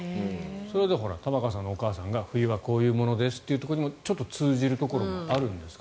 それは玉川さんのお母さんが冬はこういうものですと言うところにもちょっと通じるところがあるんですかね。